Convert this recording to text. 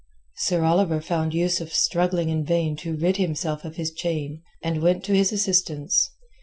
Sir Oliver found Yusuf struggling in vain to rid himself of his chain, and went to his assistance.